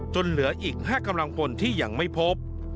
เหลืออีก๕กำลังพลที่ยังไม่พบ